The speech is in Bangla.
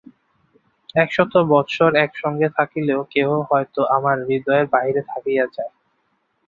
একশত বৎসর একসঙ্গে থাকিলেও কেহ হয়তো আমার হৃদয়ের বাহিরে থাকিয়া যায়।